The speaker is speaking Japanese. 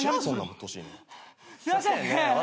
すいませんね。